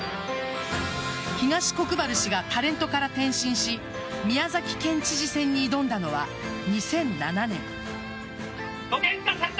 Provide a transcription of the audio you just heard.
東国原氏がタレントから転身し宮崎県知事選に挑んだのは２００７年。